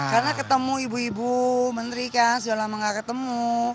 karena ketemu ibu ibu menteri kan sudah lama gak ketemu